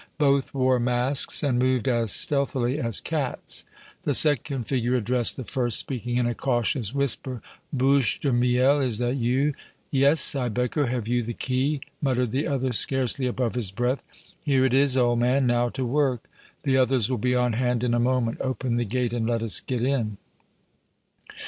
Both wore masks and moved as stealthily as cats. The second figure addressed the first, speaking in a cautious whisper: "Bouche de Miel, is that you?" "Yes. Siebecker, have you the key?" muttered the other, scarcely above his breath. "Here it is, old man. Now to work. The others will be on hand in a moment. Open the gate and let us get in."